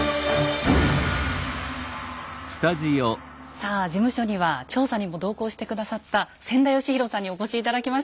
さあ事務所には調査にも同行して下さった千田嘉博さんにお越し頂きました。